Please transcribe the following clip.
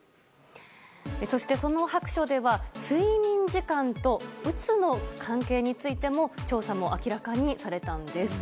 そして、その白書では睡眠時間とうつの関係についての調査も明らかにされたんです。